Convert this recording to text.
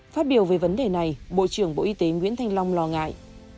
phát biểu về vấn đề này bộ trưởng bộ y tế nguyễn thanh long lo ngại